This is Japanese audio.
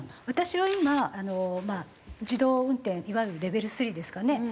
私は今まあ自動運転いわゆるレベル３ですかね。